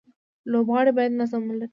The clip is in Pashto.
لوبغاړي باید نظم ولري.